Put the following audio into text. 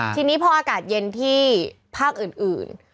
ทีนี้พออากาศเย็นที่ภาคอื่น